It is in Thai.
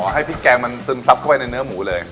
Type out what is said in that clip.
ให้พริกแกงมันซึมซับเข้าไปในเนื้อหมูเลย